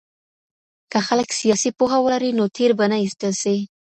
که خلګ سياسي پوهه ولري نو تېر به نه ايستل سي.